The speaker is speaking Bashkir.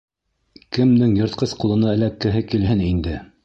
Кемдең йыртҡыс ҡулына эләккеһе килһен инде.